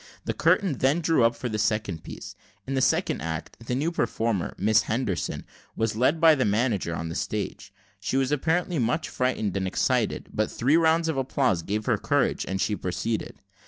The curtain then drew up for the second piece. In the second act, the new performer, a Miss Henderson, was led by the manager on the stage; she was apparently much frightened and excited, but three rounds of applause gave her courage, and she proceeded.